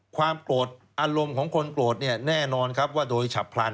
ความโกรธอารมณ์ของคนโกรธเนี่ยแน่นอนครับว่าโดยฉับพลัน